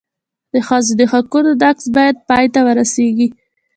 د ښځو د حقونو نقض باید پای ته ورسېږي.